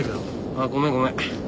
ああごめんごめん。